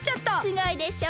すごいでしょ？